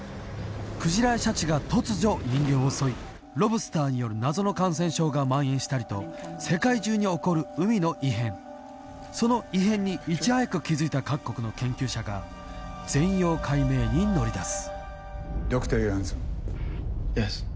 クジラやシャチが突如人間を襲いロブスタ−による謎の感染症が蔓延したりと世界中に起こる海の異変その異変にいち早く気付いた各国の研究者が全容解明に乗り出す